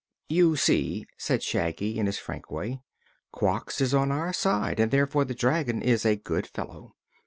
"You see," said Shaggy, in his frank way, "Quox is on our side, and therefore the dragon is a good fellow.